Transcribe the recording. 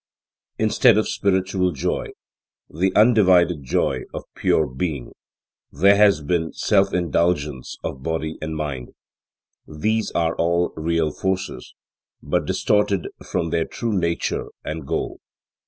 Instead of spiritual joy, the undivided joy of pure being, there has been self indulgence of body and mind. These are all real forces, but distorted from their true nature and goal.